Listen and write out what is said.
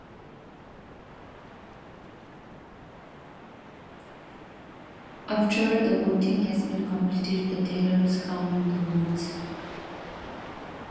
After the voting has been completed the tellers count the votes.